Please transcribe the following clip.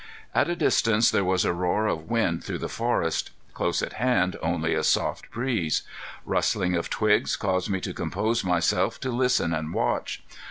At a distance there was a roar of wind through the forest; close at hand only a soft breeze. Rustling of twigs caused me to compose myself to listen and watch.